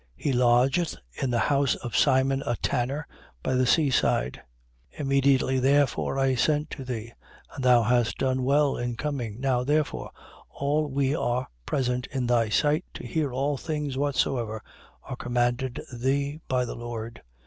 He lodgeth in the house of Simon a tanner, by the sea side. 10:33. Immediately therefore I sent to thee: and thou hast done well in coming. Now, therefore, all we are present in thy sight to hear all things whatsoever are commanded thee by the Lord.